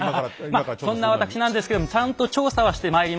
まあそんなわたくしなんですけどもちゃんと調査はしてまいりました。